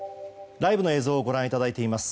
ライブの映像をご覧いただいています。